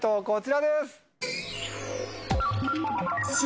こちらです！